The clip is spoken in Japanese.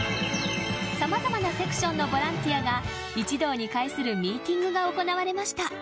さまざまなセクションのボランティアが一堂に会するミーティングが行われました。